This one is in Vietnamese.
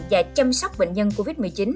và chăm sóc bệnh nhân covid một mươi chín